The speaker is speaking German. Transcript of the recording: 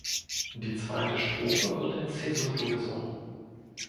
Die zweite Strophe wird in Sesotho gesungen.